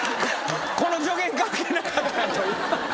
この助言関係なかったという。